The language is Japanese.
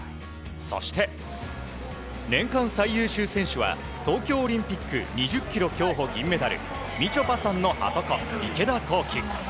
そして年間最優秀選手は東京オリンピック２０ｋｍ競歩銀メダルみちょぱさんのはとこ池田向希。